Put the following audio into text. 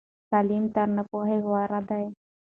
تعلیم تر ناپوهۍ غوره دی.